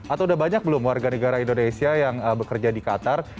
atau sudah banyak belum warga negara indonesia yang bekerja di qatar